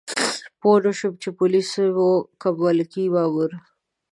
پوه نه شوم چې پولیسه وه که ملکي ماموره.